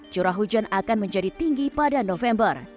jurah hujan akan menjadi tinggi dan mudah dipelajari